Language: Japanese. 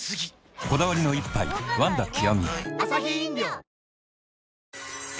こだわりの一杯「ワンダ極」